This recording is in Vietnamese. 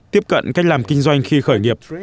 tiếp cận cách làm kinh doanh khi khởi nghiệp